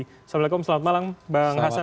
assalamualaikum selamat malam bang hasan